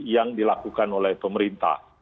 yang dilakukan oleh pemerintah